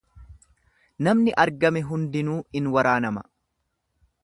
Namni argame hundinuu in waraanama.